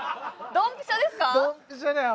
ドンピシャだよ